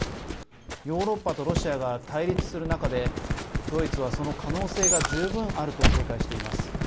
ヨーロッパとロシアが対立する中でドイツは、その可能性が十分あると警戒しています。